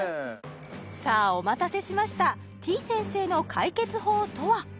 さあお待たせしましたてぃ先生の解決法とは？